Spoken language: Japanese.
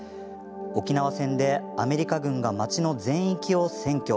沖縄戦でアメリカ軍が町の全域を占拠。